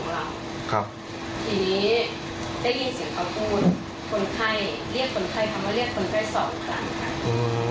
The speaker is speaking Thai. ลงไปน้าอกของเราเพียงนี้ได้ยินเสียงเขาพูด